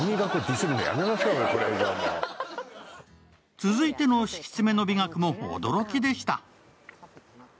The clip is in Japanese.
続いての敷き詰めの美学も驚きでした。